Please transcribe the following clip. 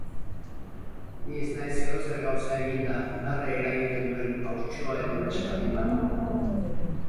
Ni ez naiz edozer gauza eginda barre eragiten duen haurtxoa edo neska mimatua.